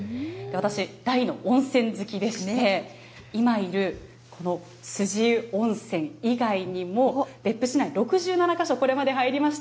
私、大の温泉好きでして、今いるこのすじ湯温泉以外にも別府市内６７か所、これまで入りました。